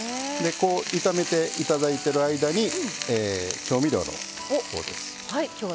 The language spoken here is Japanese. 炒めていただいてる間に調味料のほうです。